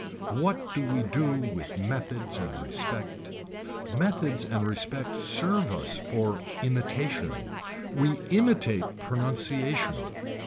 What do we do with methods and respect. Methods and respect serve us for imitation. We imitate pronunciation.